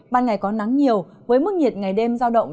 ban ngày có nắng nhiều với mức nhiệt ngày đêm giao động